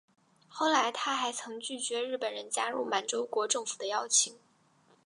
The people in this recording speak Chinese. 后来他还曾拒绝日本人加入满洲国政府的邀请。